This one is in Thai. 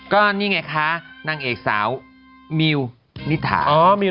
ก็นี่ไงคะนางเอกสาวมิวนิถา